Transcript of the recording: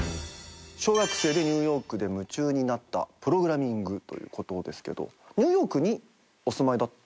小学生でニューヨークで夢中になったプログラミングということですけどニューヨークにお住まいだったんですか？